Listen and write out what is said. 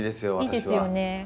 いいですよね。